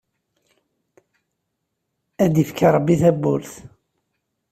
Ad d-yefk Ṛebbi tabburt!